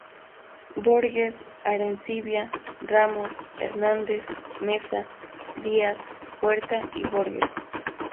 Borges, Arencibia, Ramos, Hernández, Mesa, Díaz, Puerta y Borges.